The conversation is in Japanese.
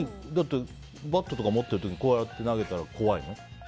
バットとか持っている時にこう投げたら怖いの？